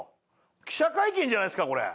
記者会見じゃないですかこれ。